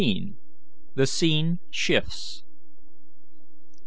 THE SCENE SHIFTS.